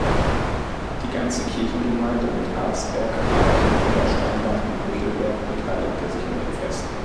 Die ganze Kirchengemeinde mit Harsberg, Gleichen, Obersteinbach und Büchelberg beteiligte sich an dem Fest.